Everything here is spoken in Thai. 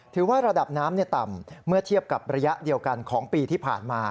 ถือว่าระดับน้ำต่ำเมื่อเทียบกับระยะเดียวกันของปีที่ผ่านมา